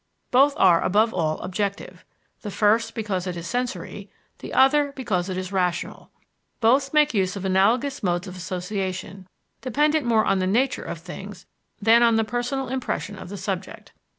Both are above all objective the first, because it is sensory; the other, because it is rational. Both make use of analogous modes of association, dependent more on the nature of things than on the personal impression of the subject.